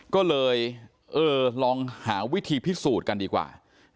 ก็เลยเออลองหาวิธีพิสูจน์กันดีกว่า